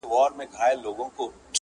د ګرداب خولې ته کښتۍ سوه برابره؛